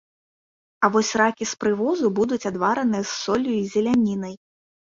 А вось ракі з прывозу будуць адвараныя з соллю і зелянінай.